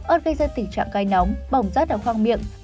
ơt gây ra tình trạng cay nóng bỏng rát ở khoang miệng